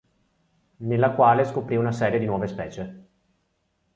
Nella quale, scoprì una serie di nuove specie.